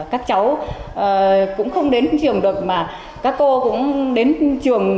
các cháu cũng không đến trường được mà các cô cũng đến trường